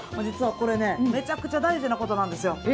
実はこれねめちゃくちゃ大事なことなんですよ。